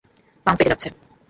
Pump ফেটে যাচ্ছে!